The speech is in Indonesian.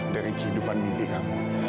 dari kehidupan mimpi kamu